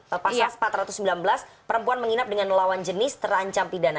pasal empat ratus sembilan belas perempuan menginap dengan melawan jenis terancam pidana